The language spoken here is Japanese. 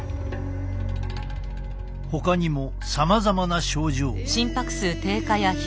ほかにもさまざまな症状が。